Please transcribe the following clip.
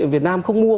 việt nam không mua